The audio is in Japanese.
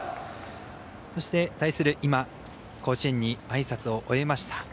そして、対する甲子園にあいさつを終えました